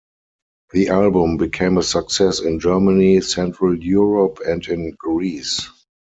The album became a success in Germany, central Europe and in Greece.